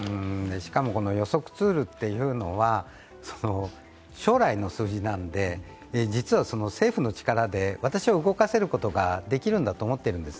しかも、予測ツールというのは将来の数字なので、実は政府の力で動かすことができるんだと思ってるんです。